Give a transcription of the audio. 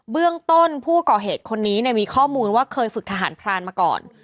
เรื่องต้นผู้ก่อเหตุคนนี้มีข้อมูลว่าเคยฝึกทหารพรานมาก่อน